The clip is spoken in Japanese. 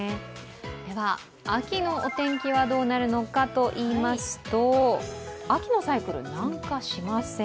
秋のお天気はどうなるのかといいますと、秋のサイクル、南下しません。